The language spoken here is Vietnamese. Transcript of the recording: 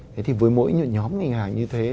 thế thì với mỗi nhóm ngành hàng như thế